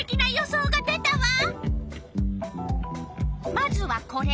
まずはこれ。